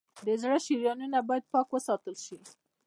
د زړه شریانونه باید پاک وساتل شي.